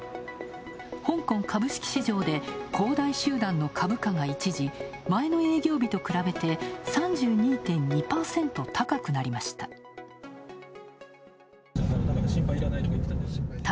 香港株式市場で恒大集団の株価が一時前の営業日と比べて３２．２％高くなりました。